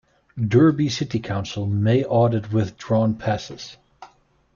Derby City Council may audit withdrawn passes.